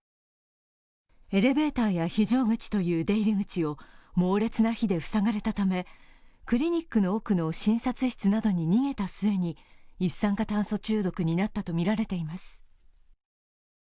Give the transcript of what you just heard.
エレベーターや非常口という出入り口を猛烈な火で塞がれたためクリニックの奥の診察室などに逃げた末に一酸化炭素中毒になったとみられています。